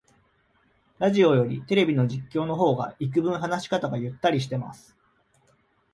ラジオよりテレビの実況の方がいくぶん話し方がゆったりしてます